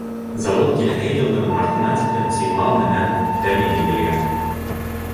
Завод киләһе йылдың мартына тиклем сеймал менән тәьмин ителгән.